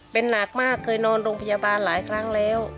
เป็นหนักมากเคยนอนโรงพยาบาลหลายครั้งแล้ว